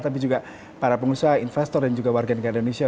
tapi juga para pengusaha investor dan juga warga negara indonesia